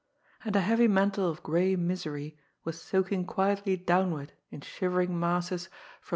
And a heavy mantle of gray misery was soaking quietly downward in shivering masses from 6 GOD'S FOOL.